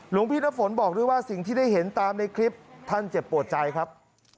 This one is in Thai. หลวงพี่น้ำฝนบอกด้วยว่าสิ่งที่ได้เห็นตามในคลิปท่านเจ็บปวดใจครับ